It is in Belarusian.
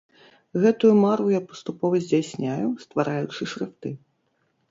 Гэтую мару я паступова здзяйсняю, ствараючы шрыфты.